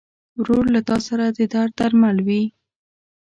ورور له تا سره د درد مل وي.